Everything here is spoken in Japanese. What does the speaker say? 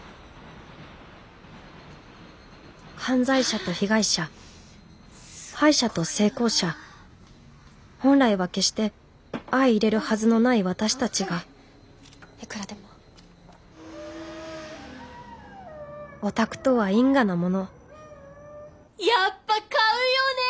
犯罪者と被害者敗者と成功者本来は決して相いれるはずのない私たちがオタクとは因果なものやっぱ買うよねペルム！